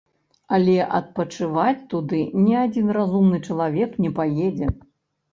Але адпачываць туды ні адзін разумны чалавек не паедзе.